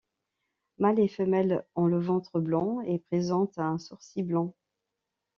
Mâle et femelle ont le ventre blanc et présentent un sourcil blanc.